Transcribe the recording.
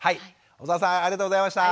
小澤さんありがとうございました。